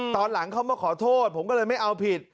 ตอนหลังเขามาขอโทษผมก็เลยไม่เอาผิด